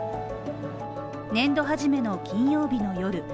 年度初めの金曜日の夜